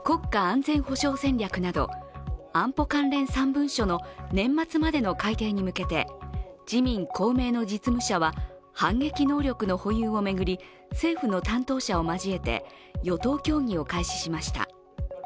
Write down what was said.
３文書の年末までの改定に向けて、自民・公明の実務者は反撃能力の保有を巡り、政府の担当者を交えて与党協議を開始しました。